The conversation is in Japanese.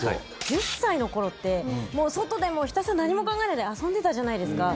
１０歳の頃って外でひたすら何も考えないで遊んでたじゃないですか。